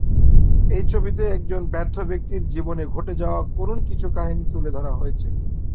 এই ছবিটিতে একজন ব্যর্থ ব্যক্তির জীবনে ঘটে যাওয়া করুন কিছু কাহিনী তুলে ধরা হয়েছে।